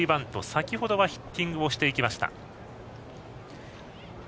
先ほどはヒッティングをしていきました。